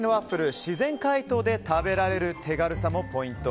自然解凍で食べられる手軽さもポイント。